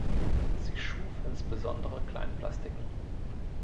Sie schuf insbesondere Kleinplastiken.